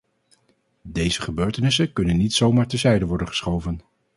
Deze gebeurtenissen kunnen niet zo maar terzijde worden geschoven.